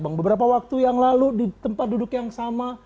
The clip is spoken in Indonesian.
beberapa waktu yang lalu di tempat duduk yang sama